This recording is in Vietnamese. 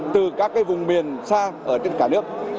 từ các vùng miền xa ở trên cả nước